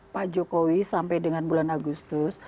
pak jokowi sampai dengan bulan agustus